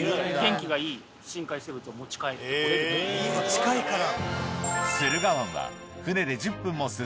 近いから。